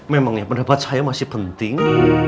memangnya pendapat saya masih penting